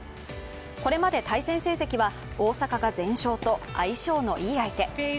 これまで対戦成績は大坂が全勝と相性のいい相手。